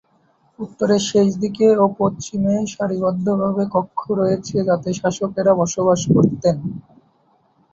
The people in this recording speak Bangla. উত্তরের শেষদিকে ও পশ্চিমে সারিবদ্ধভাবে কক্ষ রয়েছে যাতে শাসকেরা বসবাস করতেন।